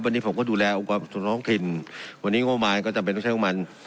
วันนี้ผมก็ดูแลอุปกรณ์ส่วนท้องทินวันนี้งบหมายก็จำเป็นต้องใช้งบหมาย